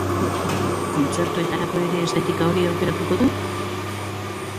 Kontzertuetarako ere estetika hori aukeratuko du?